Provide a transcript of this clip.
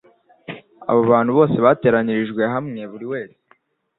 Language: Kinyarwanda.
Abo bantu bose bateranirijwe hamwe buri wese